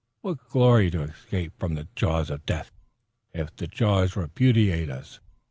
What glory to escape from the jaws of death, if the jaws repudiate us?